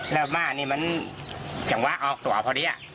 แล้วม้านี่มันอย่างว่าออกตัวออกพอดีอ่ะ